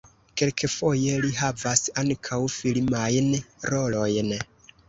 Kelkfoje li havas ankaŭ filmajn rolojn.